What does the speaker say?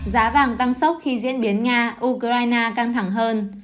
giá vàng tăng sốc khi diễn biến nga ukraine căng thẳng hơn